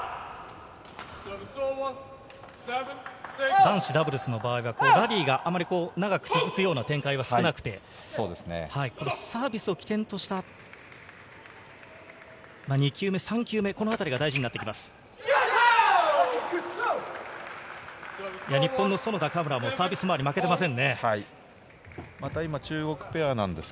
男子ダブルスの場合はラリーがあまり長く続く展開は少なくて、サービスを起点とした２球目、３球目、この辺りが大事になってきます。